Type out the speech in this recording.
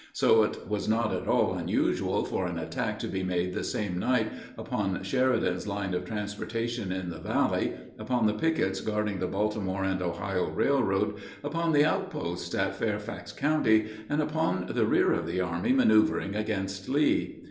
So it was not at all unusual for an attack to be made the same night upon Sheridan's line of transportation in the valley, upon the pickets guarding the Baltimore and Ohio Railroad, upon the outposts in Fairfax County, and upon the rear of the army manoeuvering against Lee.